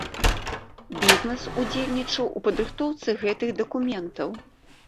Бізнес удзельнічаў у падрыхтоўцы гэтых дакументаў.